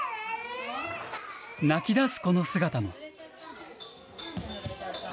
泣きだす子の姿も。